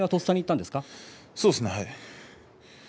そうですね。